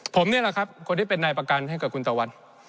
ผมนี่แหละครับคนที่เป็นนายประกันให้กับคุณตะวัด